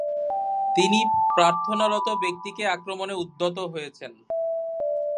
তিনি প্রার্থনারত ব্যক্তিতে আক্রমণে উদ্যত হয়েছেন।